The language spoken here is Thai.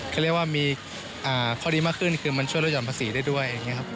แค่เรียกว่ามีข้อดีมากขึ้นคือมันช่วยลดหย่อนภาษีได้ด้วย